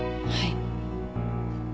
はい。